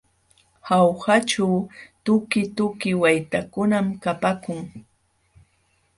Jaujaćhu tukituki waytakunam kapaakun.